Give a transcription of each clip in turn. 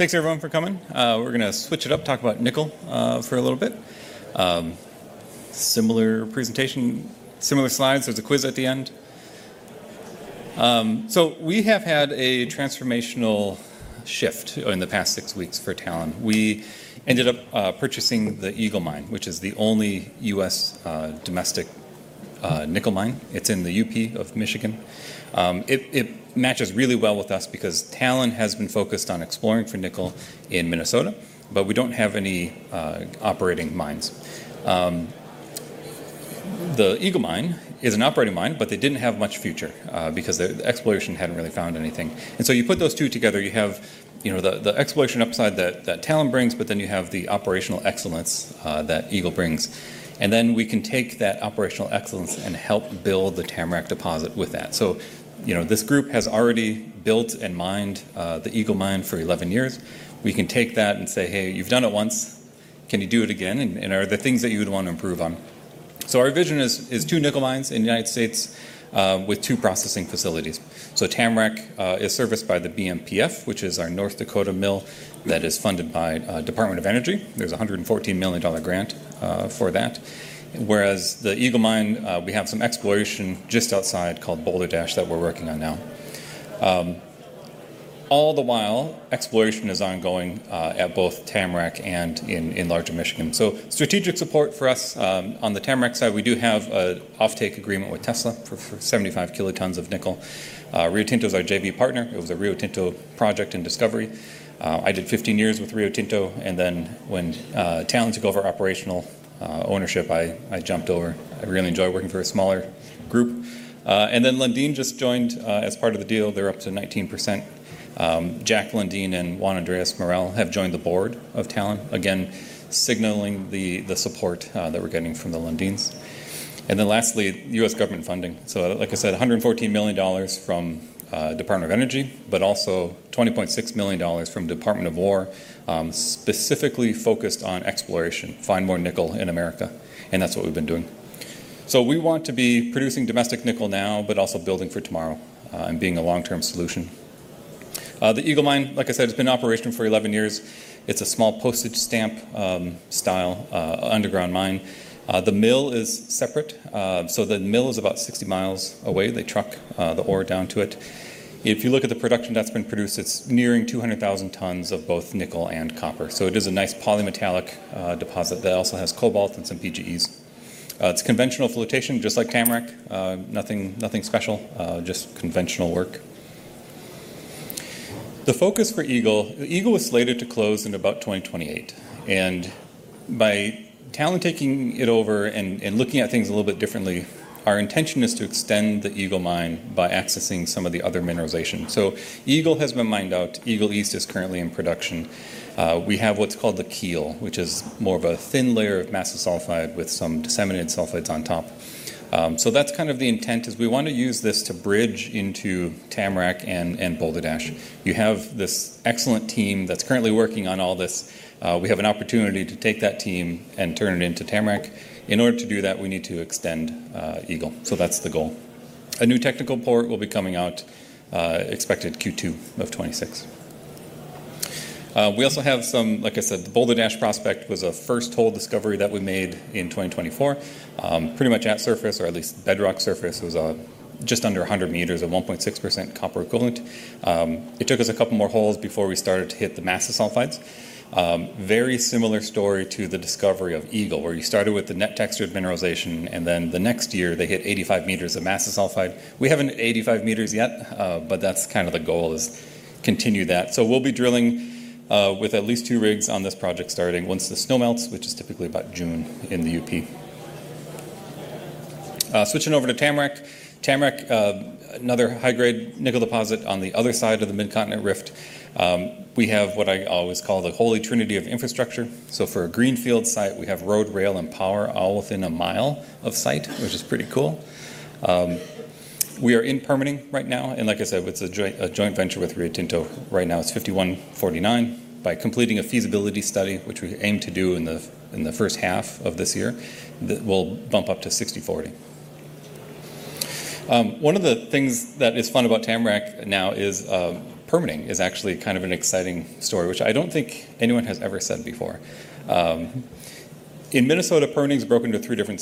Thanks everyone for coming. We're gonna switch it up, talk about nickel for a little bit. Similar presentation, similar slides. There's a quiz at the end. We have had a transformational shift in the past six weeks for Talon. We ended up purchasing the Eagle Mine, which is the only U.S. domestic nickel mine. It's in the U.P. of Michigan. It matches really well with us because Talon has been focused on exploring for nickel in Minnesota, but we don't have any operating mines. The Eagle Mine is an operating mine, but they didn't have much future because the exploration hadn't really found anything. You put those two together, you have, you know, the exploration upside that Talon brings, you have the operational excellence that Eagle brings. We can take that operational excellence and help build the Tamarack deposit with that. You know, this group has already built and mined the Eagle Mine for 11 years. We can take that and say, "Hey, you've done it once. Can you do it again? Are there things that you would want to improve on?" Our vision is two nickel mines in the United States with two processing facilities. Tamarack is serviced by the BMPF, which is our North Dakota mill that is funded by Department of Energy. There's a $114 million grant for that. Whereas the Eagle Mine, we have some exploration just outside called Boulderdash that we're working on now. All the while, exploration is ongoing at both Tamarack and in larger Michigan. Strategic support for us, on the Tamarack side, we do have an offtake agreement with Tesla for 75 kilotons of nickel. Rio Tinto's our JV partner. It was a Rio Tinto project and discovery. I did 15 years with Rio Tinto, and then when Talon took over operational ownership, I jumped over. I really enjoy working for a smaller group and then Lundin just joined as part of the deal. They're up to 19%. Jack Lundin and Juan Andrés Morel have joined the board of Talon, again, signaling the support that we're getting from the Lundins. Lastly, U.S. government funding. Like I said, $114 million from Department of Energy, but also $20.6 million from Department of Defense, specifically focused on exploration, find more nickel in America, and that's what we've been doing. We want to be producing domestic nickel now, but also building for tomorrow and being a long-term solution. The Eagle Mine, like I said, has been in operation for 11 years. It's a small postage stamp style underground mine. The mill is separate. The mill is about 60 miles away. They truck the ore down to it. If you look at the production that's been produced, it's nearing 200,000 tons of both nickel and copper. It is a nice polymetallic deposit that also has cobalt and some PGEs. It's conventional flotation, just like Tamarack. Nothing, nothing special, just conventional work. The focus for Eagle was slated to close in about 2028. By Talon taking it over and looking at things a little bit differently, our intention is to extend the Eagle Mine by accessing some of the other mineralization. Eagle has been mined out. Eagle East is currently in production. We have what's called the keel, which is more of a thin layer of massive sulfides with some disseminated sulfides on top. That's kind of the intent, is we wanna use this to bridge into Tamarack and Boulderdash. You have this excellent team that's currently working on all this. We have an opportunity to take that team and turn it into Tamarack. In order to do that, we need to extend Eagle. That's the goal. A new technical report will be coming out, expected Q2 of 2026. We also have some like I said, the Boulderdash prospect was a first hole discovery that we made in 2024. Pretty much at surface, or at least bedrock surface, it was just under 100 meters of 1.6% copper equivalent. It took us a couple more holes before we start to hit the massive sulfide. Very similar story to the discovery of Eagle, where you started with the net-textured mineralization, and then the next year, they hit 85 meters of massive sulfide. We haven't hit 85 meters yet, but that's kind of the goal is continue that. We'll be drilling with at least 2 rigs on this project starting once the snow melts, which is typically about June in the U.P. Switching over to Tamarack. Tamarack, another high-grade nickel deposit on the other side of the Midcontinent Rift. We have what I always call the holy trinity of infrastructure. For a greenfield site, we have road, rail, and power all within 1 mile of site, which is pretty cool. We are in permitting right now, and like I said, it's a joint venture with Rio Tinto. Right now it's 51/49. By completing a feasibility study, which we aim to do in the first half of this year, we'll bump up to 60/40. One of the things that is fun about Tamarack now is, permitting is actually kind of an exciting story, which I don't think anyone has ever said before. In Minnesota, permitting's broken into three different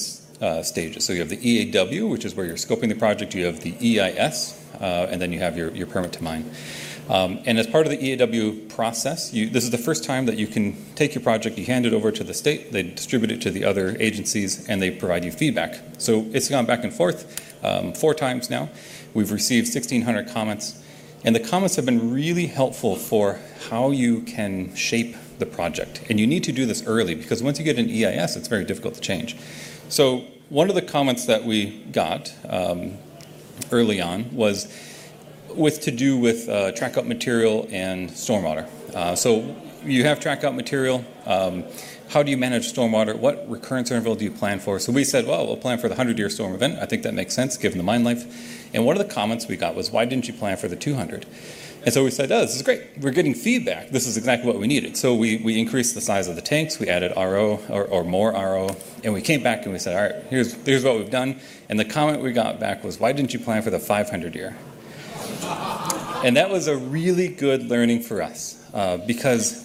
stages. You have the EAW, which is where you're scoping the project. You have the EIS, and then you have your Permit to Mine. As part of the EAW process, this is the first time that you can take your project, you hand it over to the state, they distribute it to the other agencies, and they provide you feedback. It's gone back and forth, 4 times now. We've received 1,600 comments, and the comments have been really helpful for how you can shape the project. You need to do this early, because once you get an EIS, it's very difficult to change. One of the comments that we got, early on was with to do with, track out material and stormwater. You have track out material. How do you manage stormwater? What recurrence interval do you plan for? We said, "Well, we'll plan for the 100-year storm event." I think that makes sense given the mine life. One of the comments we got was, "Why didn't you plan for the 200?" We said, "Oh, this is great. We're getting feedback. This is exactly what we needed." We increased the size of the tanks. We added RO or more RO. We came back and we said, "All right. Here's what we've done." The comment we got back was, "Why didn't you plan for the 500-year?" That was a really good learning for us, because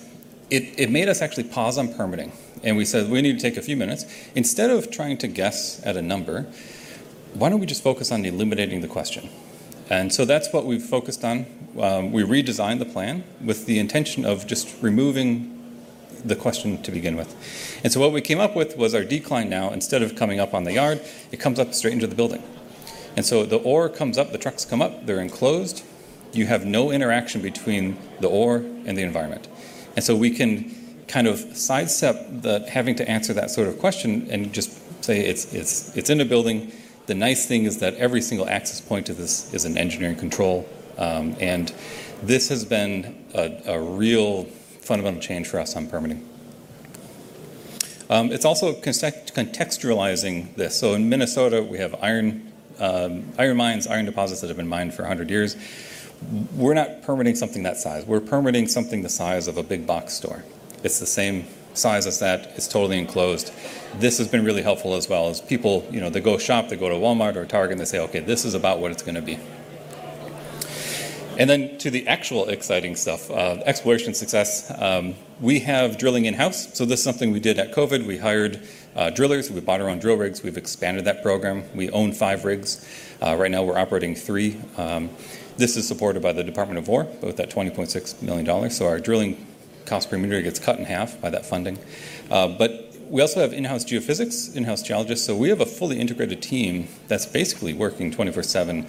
it made us actually pause on permitting, and we said, "We need to take a few minutes. Instead of trying to guess at a number, why don't we just focus on eliminating the question. That's what we've focused on. We redesigned the plan with the intention of just removing the question to begin with. What we came up with was our decline now. Instead of coming up on the yard, it comes up straight into the building. The ore comes up, the trucks come up, they're enclosed. You have no interaction between the ore and the environment. We can kind of sidestep the having to answer that sort of question and just say it's in a building. The nice thing is that every single access point to this is an engineering control, and this has been a real fundamental change for us on permitting. It's also contextualizing this. In Minnesota, we have iron mines, iron deposits that have been mined for 100 years. We're not permitting something that size. We're permitting something the size of a big box store. It's the same size as that. It's totally enclosed. This has been really helpful as well as people, you know, they go shop, they go to Walmart or Target, and they say, "Okay, this is about what it's gonna be." Then to the actual exciting stuff, exploration success. We have drilling in-house, so this is something we did at COVID. We hired drillers. We bought our own drill rigs. We've expanded that program. We own five rigs. Right now we're operating three. This is supported by the Department of Defense with that $20.6 million, our drilling cost per meter gets cut in half by that funding. We also have in-house geophysics, in-house geologists, so we have a fully integrated team that's basically working 24/7.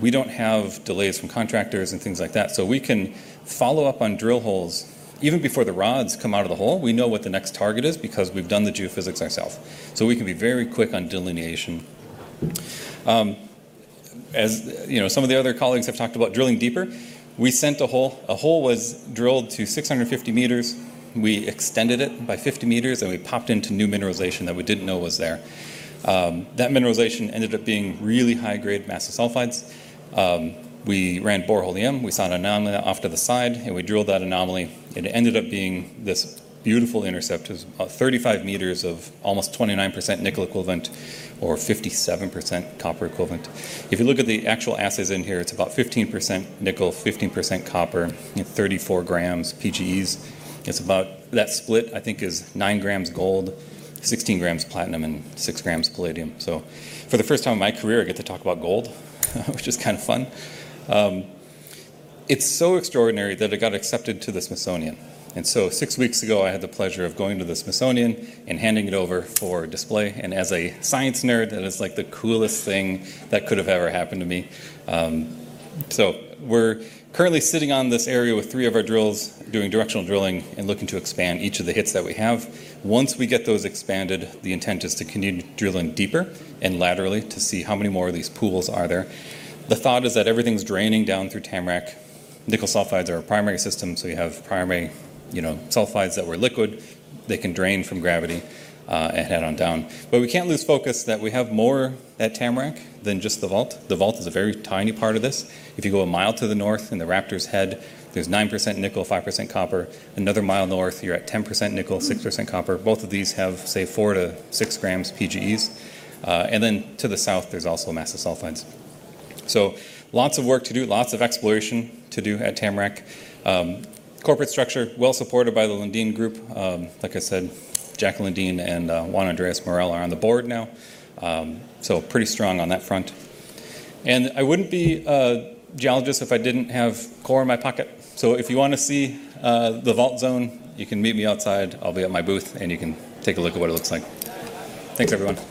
We don't have delays from contractors and things like that, so we can follow up on drill holes. Even before the rods come out of the hole, we know what the next target is because we've done the geophysics ourselves, so we can be very quick on delineation. As, you know, some of the other colleagues have talked about drilling deeper, we sent a hole. A hole was drilled to 650 meters. We extended it by 50 meters, we popped into new mineralization that we didn't know was there. That mineralization ended up being really high-grade massive sulfides. We ran Borehole EM. We saw an anomaly off to the side, and we drilled that anomaly. It ended up being this beautiful intercept. It was about 35 meters of almost 29% nickel equivalent or 57% copper equivalent. If you look at the actual assets in here, it's about 15% nickel, 15% copper, and 34 grams PGEs. That split, I think, is nine grams gold, 16 grams platinum, and six grams palladium. For the first time in my career, I get to talk about gold, which is kind of fun. It's so extraordinary that it got accepted to the Smithsonian. Six weeks ago, I had the pleasure of going to the Smithsonian and handing it over for display. As a science nerd, that is like the coolest thing that could have ever happened to me. We're currently sitting on this area with 3 of our drills doing directional drilling and looking to expand each of the hits that we have. Once we get those expanded, the intent is to continue drilling deeper and laterally to see how many more of these pools are there. The thought is that everything's draining down through Tamarack. Nickel sulfides are a primary system, so you have primary, you know, sulfides that were liquid. They can drain from gravity and head on down. We can't lose focus that we have more at Tamarack than just the vault. The vault is a very tiny part of this. If you go 1 mile to the north in the Raptor's Head, there's 9% nickel, 5% copper. Another mile north, you're at 10% nickel, 6% copper. Both of these have, say, 4 to 6 grams PGEs. Then to the south, there's also massive sulfides. Lots of work to do, lots of exploration to do at Tamarack. Corporate structure, well supported by the Lundin Group. Like I said, Jack Lundin and Juan Andrés Morel are on the board now, pretty strong on that front. I wouldn't be a geologist if I didn't have core in my pocket. If you wanna see the vault zone, you can meet me outside. I'll be at my booth, and you can take a look at what it looks like. Thanks, everyone.